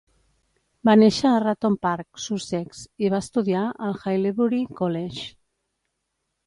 Va néixer a Ratton Park, Sussex, i va estudiar al Haileybury College.